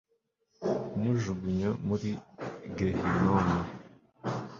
kumujugunya muri Gehinomu